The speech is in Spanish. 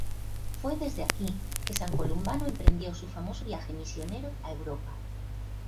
Fue desde aquí que San Columbano emprendió su famoso viaje misionero a Europa.